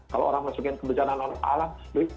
kalau orang masukin kebencanaan non alam